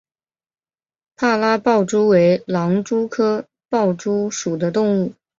帕拉豹蛛为狼蛛科豹蛛属的动物。